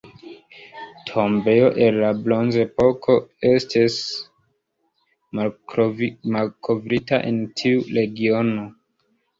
Tombejo el la Bronzepoko estis malkovrita en tiu regiono.